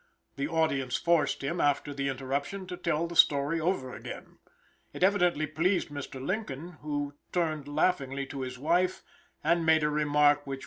The audience forced him, after the interruption, to tell the story over again. It evidently pleased Mr. Lincoln, who turned laughingly to his wife and made a remark which was not overheard.